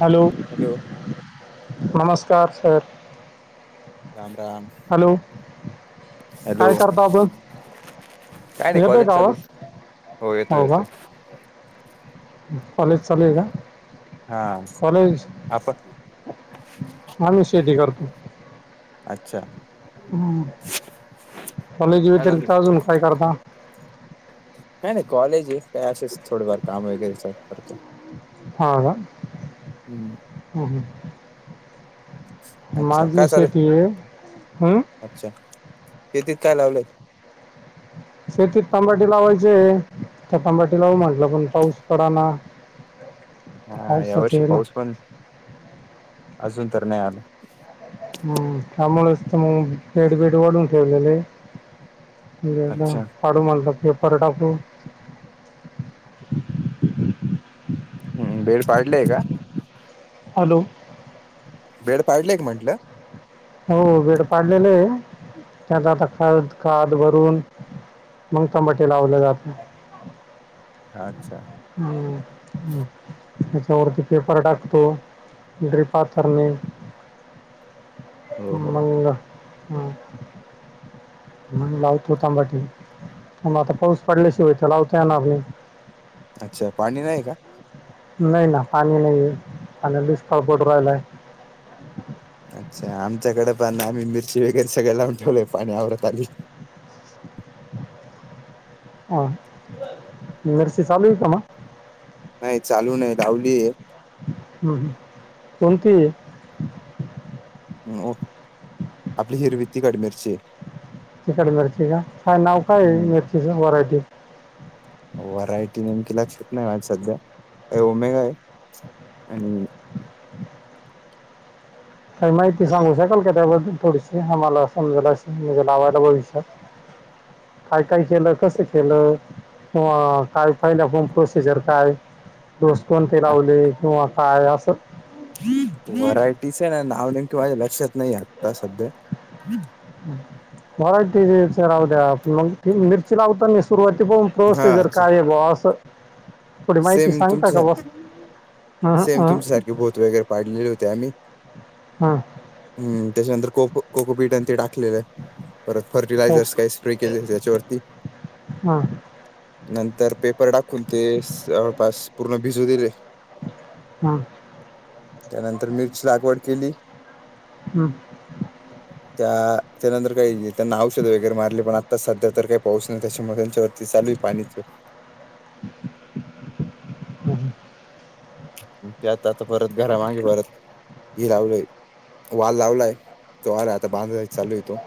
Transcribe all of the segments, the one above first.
Hello hello नमस्कार sir. Ram Ram hello hello काय करता आपण काय नाही येतोय कॉलेज का चालू आवाज आहे. हो येतोय येतोय. कॉलेज चालू आहे का? हा कॉलेज आपण आम्ही शेती करतो. अच्छा हम् कॉलेज काय चालू व्यतिरिक्त आहे? अजून काय करता? हा नाही कॉलेज आहेसच थोड फार काम वगैरे स करत. हा का हम्म हम हम् अच्छा माझी काय चालेल शेती आहे हं? अच्छा कती काय लावले. शेतीत तंबाटे लावायचे. तंबाटी लावू म्हटलं पण पाऊस पडा ना. तर हा पावसाचं यावर्षी आहे ना पाऊस पण अजून तर नाही आला. हम् त्यामुळच तर मग बेड बेड वाढून ठेवलेले. अच्छा पाडू मलला पटापू हम्म बेड पाडलेय का. हॅलो वेड पाडलेय का म्हंटलं? हो वेड पाडलेले आहे त्यात आता ख खाद भरून मग टमाटे लावले जात, अच्छा हम्म हम्म त्याच्यावरती पेपर टाकतो ड्रीपा आथरने, हो हो मगं ह मग लावतो टमाटे, मग आता पाऊस पडल्याशिवाय तर लावता येणार नाही. अच्छा, पाणी नाही का? नाही ना पाणी नाही. आणि दुष्काळ पटुन राहिलाय. अच्छा आमच्याकडे पण आम्ही मिरची वगैरे सगळे लावून ठेवलेय पाणी आवरत आली. [inaudible] हा नरसी चालू आहे का म, नाही चालू नाही लावली आहे. हम्म, हम्म. कोणती? आपली हिरवी तिखट मिरची आहे. तिखट मिरची का, नाव काय हम्म मिरचीच व्हरायटी, व्हरायटी ती लक्षात नाही माझ्या सध्या ओमेगा आहे. आणि काय माहिती सांगु शकाल, यासाठी काॅल केलता थोडीशी आम्हाला समजेल अशी म्हणजे लावायला भविष्यात, काय काय केलं कसं केलं? ह काय पहिलं पण प्रोसिजर काय? ठोस कोण ते लावले किंवा काय असं? व्हरायटीच नाव नेमक माझ लक्षात नाही आता सध्या व्हरायटी [unintelligible] मग ती मिरची लावतानी सुरुवाती पासून हा प्रोसिजर अच्छा काय बा असं, थोडी माहिती सेम तुमच सांगता का बस हं, सेम हं, तुमच्यासारखे भूत वगैरे पाडलेले होते आम्ही. हं, हम्म त्याच्यानंतर कोक कोकोपीठ ते टाक टाकलेलत पर हो, फर्टिलायझर्स काय स्प्रे केले त्याच्यावरती, हं, नंतर पेपर टाकून ते जवळपास पूर्ण भिजू दिले. हं, त्यानंतर मिरची लागवड केली. हम्म! त्या त्यानंतर काही त्यांना औषधे वगैरे मारली पण आता सध्या तर काही पाऊस नाही त्याच्यामुळे त्यांच्यावर चालू पाणी हम! त्यात आता परत घरामागे परत हि लावलंय. वाल लावलाय तो [unintelligible] आता बांधाय चालू हाय तो.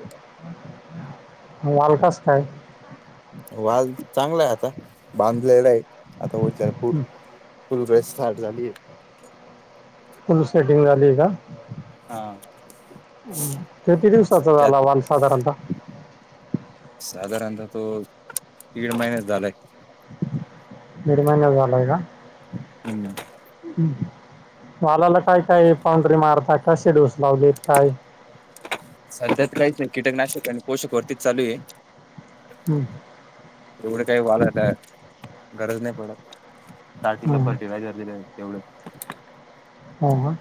वाल कस काय वाल चांगला आहे. आता बांधलेला आहे आता [unintelligible] [unintelligible] फुल सेटिंग झाली का? हा किती दिवसाचा त्यात झाला वाल साधारणता. साधारणतः तो दीड महिन्याचा झालायं. दीड महिना झालाय का? हम्म वालाला काय काय पाउंड्री मारताय. कसे डोस लावलेत काय? सध्यात काहीच नाही, कीटकनाशक आणि पोषक वरतीच चालू आहे. हं, एवढं काही वालाला गरज नाही पडत. स्टार्टिंग ला हं, फर्टिलायझर दिलं तेवढंच, हा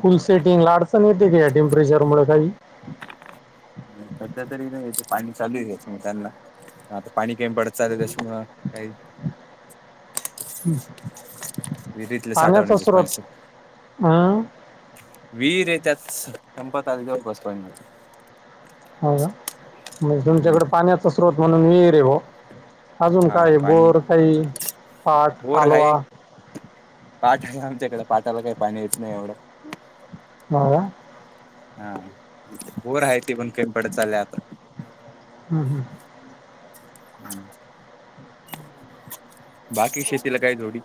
फुल सेटिंग ला अडचण येते का या टेम्परेचर मु काही, [inaudible] सध्या तरी इथे पाणी चालू आहे मग त्यांना आता पाणी गेम पडत चालल त्याच्यामुळ काही [inaudible] विरीतले पाण्याचा साठवण्याचे स्रोत पाणी सगळं हं? विहिरे आहे त्यात संपतारीच्यावळ बस पाहिन. हो, ग म्हणजे तुमच्याकडे पाण्याचा स्रोत म्हणून विहीर आहे. अजून हा काय पाणी बोर काही पाठ बोर कालवा. आहे पाठ आहे [inaudible] आमच्याकडे पाटाला काही पाणी येत नाही एवढं. मुलगा. हा बोर आहेत ते पण कमी पडत चाललय आता. हा-हा [unintelligible] बाकी शेतीला काय जोडी.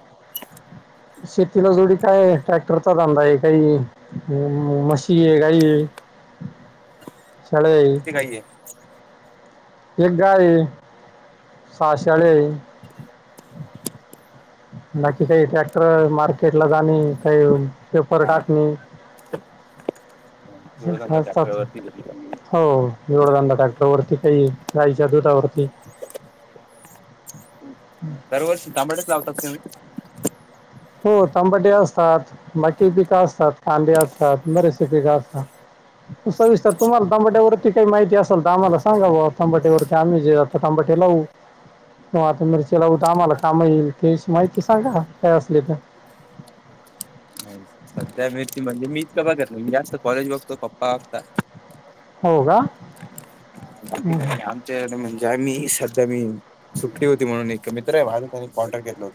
शेतीला जोडी काय ट्रॅक्टरचा धांंदा आहे काही म्हशी आहे गायी आहे, [inaudible] किती गाय आहे. एक गाय आहे सहा शेळ्या आहेत. [unintelligible] बाकी काही ट्रॅक्टर मार्केटला जाणे, काही पेपर हा टाचणी. जोडधंदा ट्रॅक्टरवरती [unintelligible] हो जोडधंदा टाकला वरती, हे गाईच्या दरवर्षी ताबाटच लावतात तुम्ही? हो तंबाटी असतात मठी पिके असतात कांदे असतात बरेसे पिके असतात. सविस्तर तुम्हाला तबट्या वरती काही माहिती असेल तर आम्हाला सांगाव तांबटीवरती आम्ही जेवतो तांबटे लावू. मिरचेलावत आम्हाला काम येईल ते माहिती सांगा काय असले तर, नाही सध्या मिची म्हणजे मीच बघतोय मी जास्त कॉलेज बघतो पप्पा बघता, हो का [unintelligible] बाकी हं, काय आमच्याकडे ज्या मी सध्या मी सुटी होती म्हणून एक मित्र आहे माझा. त्यांनी कॉन्टॅक्ट केला.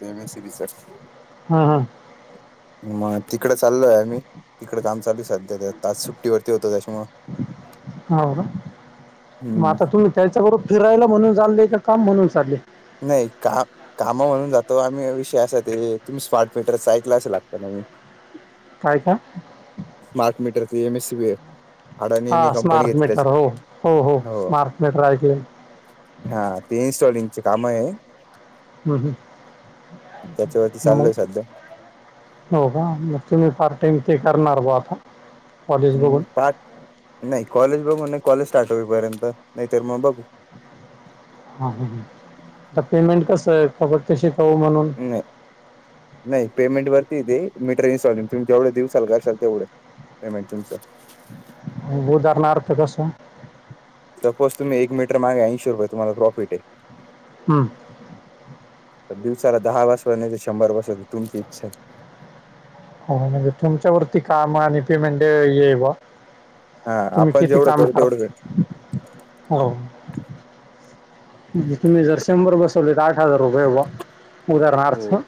हं, हं. [unintelligible] मग तिकडं चालोय आम्ही. तिकडं काम चालू सध्या तर आज सुट्टीवरती होतो त्याच्यामुळे [unintelligible] मग हम्म आता तुम्ही त्याच्याबरोबर फिरायला म्हणून चाललेय, का काम म्हणून चालले नाही का कामा म्हणून जातो आम्ही. विषय असा आहे, ते तुम्ही स्मार्ट मीटरच ऐकले असेल आता नवीन. काय काय? स्मार्ट मीटरचे एमएससी बी आहे. हा स्मार्ट मीटर हो. हो हो स्मार्ट मीटर ऐकलय. हा ते इन्स्टॉलिंगचे काम आहे. हम्म हम्म त्याच्यावरती मग चाललोय सध्या हो का, मग तुम्ही पार्ट टाइम ते करणार बुआ आता. कॉलेज हम्म बघून पाच नाही कॉलेज बघून कॉलेज स्टार्ट होईपर्यंत. नाहीतर मग बघू हा हा आता पेमेंट कस आहे. फुकटचे शी नाही नाही पेमेंट वर हे ते मीटर इन्स्टॉलमेंट तुम्ही जवढे दिवसाल करशाल तेवढे पेमेंट तुमच. उदाहरणार्थ कस. सपोज तुम्ही एक मीटर मागे ऐंशी रुपये तुम्हाला प्रॉफिट आहे. हम्म दिवसाला दहा बसवा. नाही तर शंभर बसवा. तुमची इच्छा आहे. हो तुमच्या वरती काम आणि पेमेंट हे आहे बवा. हा तुम्ही आपण किती जेवढं काम करू तेवढं भेट करता. हो तुम्ही जर शंभर बसवले तर आठ हजार रुपये आहे बवा. उदाहरणार्थ हो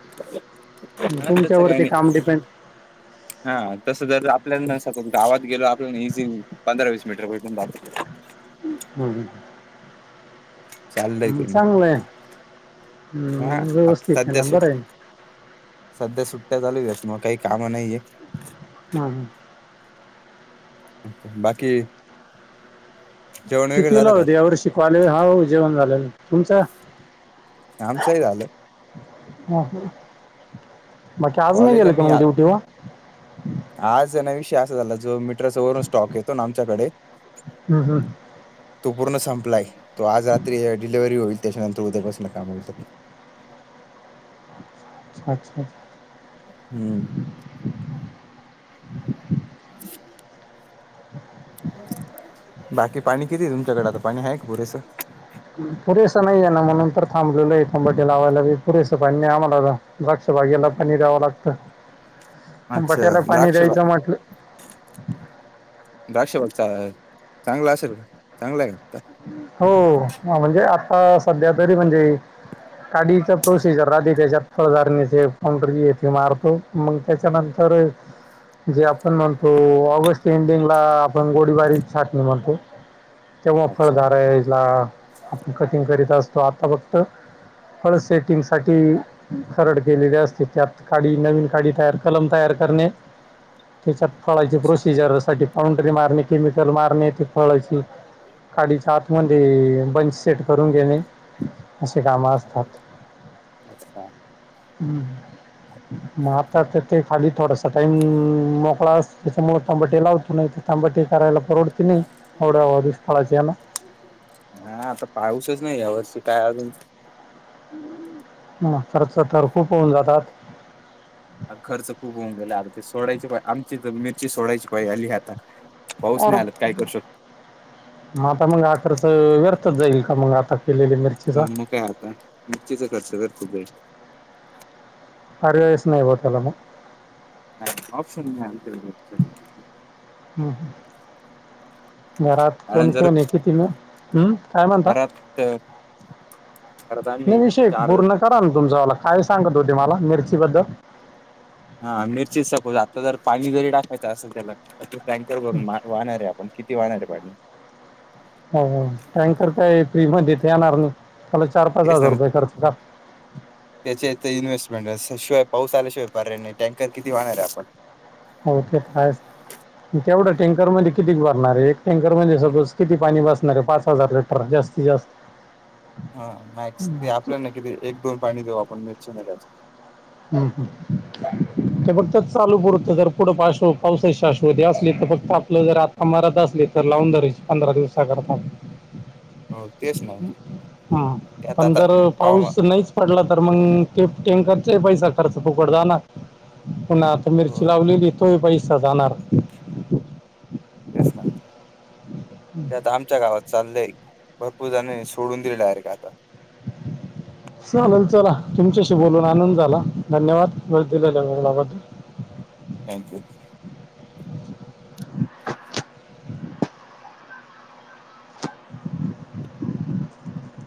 त्याच काही नाही तुमच्यावरती काम डिपेंड हा तस आपल्या स गावात गेलो आपल्या इझी पंधरा वीस मीटर भेटून जातात. हम्म चाललंय पेमेंट हा हम्म, व्यवस्थित आता आहे द्या ना सुट बरं आहे सध्या सुट्ट्या चालू आहेत. त्याच्यामुळे काही काम नाहीये. हम्म हम्म अच्छा बाकी जेवण वगैरे कितवीला झालं का होते या वर्षी. कॉलेज हा हो जेवण झालेलं आहे. तुमच आमचही झाल. हा. बाकी आज नाही कॉलेजला गेलं का मी मग आ ड्युटी वा आज आहे ना विषय अस तो मीटरचा वरून स्टॉक येतो ना आमच्याकडे. हम्म, हम्म. तो पूर्ण संप राय. तो आज रात्री डिलव्हरी होईल त्याच्यानंतर उद्यापासून काम होईल. अच्छा हम्म [inaudible] [inaudible] बाकी पाणी किती आहे तुमच्याकडे. आता पाणी आहे का पुरेसं. पुरेस नाही आहे ना म्हणून तर थांबलो आहे. टमाटे लावायला पुरेस पाणी नाही. आम्हाला द्राक्ष बाग्याला पाणी द्यावं लागतं. अच्छा टंबाट्याला पाणी द्राक्ष द्यायचं म्हटलं द्राक्ष बाग चा चांगला असेल का? चांगला आहे का? हो. ह म्हणजे आता सध्या तरी म्हणजे काढीचा प्रोसिजर राहती त्याच्यात. फवारनीचे काउंटर हे ते मारतो. मग त्याच्यानंतर [unintelligible] जे आपण म्हणतो ऑगस्ट एंडिंगला आपण घोडीबारीची छाटणी म्हणतो. तेव्हा अच्छा फळधाराला आपण कटिंग करीत असतो आता फक्त फळ सेटिंग साठी करड केलेली असते त्यात काडी नवीन काडी तयार कलम तयार करणे. त्याच्यात फळाची अच्छा प्रोसिजर साठी पाउंड्री मारणे केमिकल मारणे ते फळाची मध्ये बंच सेट करून घेणे. असे काम असतात. ओके. अच्छा मग आता तर ते खाली थोडासा टाइम मोकळा अस त्याच्यामुळे तांबाटे लावतो नाही. तंबाटी करायला परवडते नाहीं [unintelligible] हा आता पाऊसच नाही या वर्षी काय अजून हा खर्च तर खूप होऊन जातात. अ खर्च खूप होऊ गेला अर ते सोडायची आमची मिरची सोडायची पाय आली आता. पाऊस र नाही आला तर काय करू म आता मग आखर्च व्यर्थच जाईल का मग आता. केलेली हो मिरचीचा मग काय आता [unintelligible] [unintelligible] ऑप्शन नाही. [unintelligible] हम्म हम्म. घरात कोण कारण जर कोण आहे किती म हम्म काय म्हणता? घरात घरात आम्ही नाही विशय चार पूर्ण करा ना तुमच्याला काय सांगत होते मला मिर्ची बद्दल.. हा मिरचीच सपोज आता जर पाणी जरी टाकायचं असल त्याला अस टँकर करून वाहणारे आपण किती वाहणारे पाणी. हो टँकर काय फ्री मथे येणार नाही. त्याला चार पाच तेच न हजार रुपये खर्च का त्याची इन्व्हेस्टमेंट असते शिवाय. पाऊसाला शिवाय पर्याय आहे नाही टँकर किती वाहणार आहे आपण. हो ते काय तेवढं टेंकर मध्ये किती भरणार एक. टँकर म्हणजे सपोज किती पाणी बसणारे पाच हजार लिटर जास्तीत जास्त. हा मॅक्स ते आपल्यालाना कि एक दोन पाणी देऊ आपण मिरची नाहीच. ह ह ते बघ ते चालू पुरत जर पुढं पाश्व पावसाची शाश्वती असली.. फक्त आपलं जर आत्ता मरत असली तर लावून दरीची पंधरा दिवसा करता. रिकामा ऑडिओ पण जर हवामान पाऊस नाहीच पडला तर मग ट. टँकर तें पैसा खर्च फुकट जाणार, पुन्हा आता मिरची हो लावलेली, तो पैसा सा जानार. तेच ना ते आता आमच्या गावात. चाललंय भरपूर जण सोडून दिले डारेक्ट आता. चालेल चला तुमच्याशी बोलून आनंद झाला धन्यवाद वेळ दिलेल्या गलाबद्दल. Thank you.